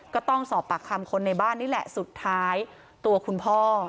ก็ต้องสอบปากคำคนในบ้านนี่แหละสุดท้ายตัวคุณพ่อ